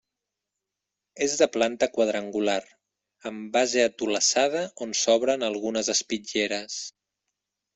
És de planta quadrangular, amb la base atalussada, on s'obren algunes espitlleres.